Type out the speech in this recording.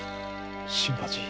新八。